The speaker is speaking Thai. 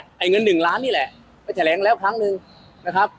ไอ้เงินหนึ่งล้านนี่แหละไปแถลงแล้วครั้งหนึ่งนะครับ